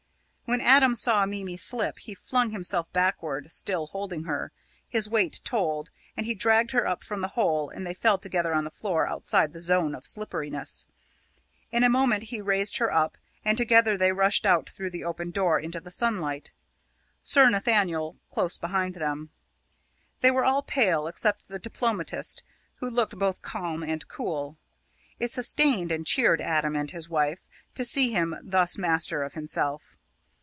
When Adam saw Mimi slip, he flung himself backward, still holding her. His weight told, and he dragged her up from the hole and they fell together on the floor outside the zone of slipperiness. In a moment he had raised her up, and together they rushed out through the open door into the sunlight, Sir Nathaniel close behind them. They were all pale except the old diplomatist, who looked both calm and cool. It sustained and cheered Adam and his wife to see him thus master of himself.